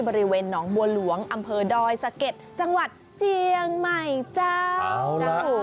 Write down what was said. บริเวณหนองบัวหลวงอำเภอดอยสะเก็ดจังหวัดเจียงใหม่เจ้านะคะ